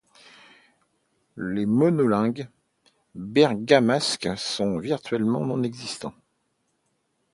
Les monolingues bergamasques sont virtuellement non existants.